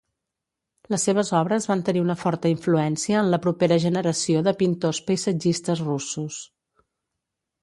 Les seves obres van tenir una forta influència en la propera generació de pintors paisatgistes russos.